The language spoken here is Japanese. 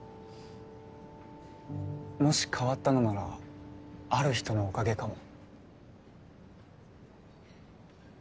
もし変わったのならある人のおかげかも